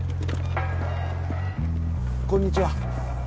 こんにちは。